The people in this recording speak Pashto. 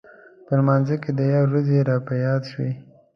په لمانځه کې د یار ورځې راپه یاد شوې.